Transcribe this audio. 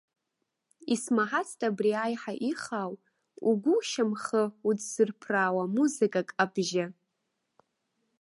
Исмаҳацт абри аиҳа ихаау, угәы-ушьамхы уҵзырԥраауа музыкак абжьы!